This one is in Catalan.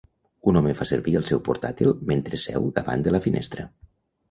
Un home fa servir el seu portàtil mentre seu davant de la finestra.